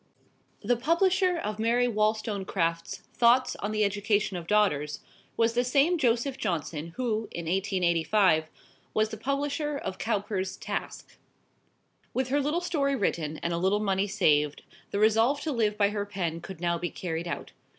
The publisher of Mary Wollstonecraft's "Thoughts on the Education of Daughters" was the same Joseph Johnson who in 1785 was the publisher of Cowper's "Task." With her little story written and a little money saved, the resolve to live by her pen could now be carried out.